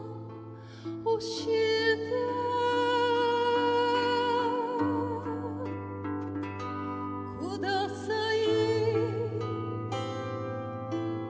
「おしえてください」